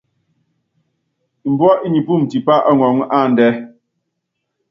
Mbúá i nipúum tipá ɔŋɔŋɔ́ áandɛ́.